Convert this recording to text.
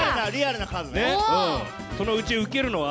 そのうちウケるのは？